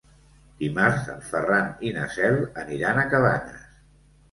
Dimarts en Ferran i na Cel aniran a Cabanes.